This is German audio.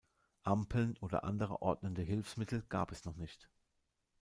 Ampeln oder andere ordnende Hilfsmittel gab es noch nicht.